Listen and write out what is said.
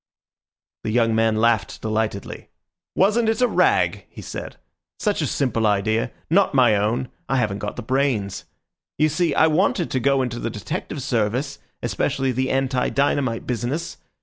The young man laughed delightedly. "Wasn't it a rag?" he said. "Such a simple idea—not my own. I haven't got the brains. You see, I wanted to go into the detective service, especially the anti dynamite business.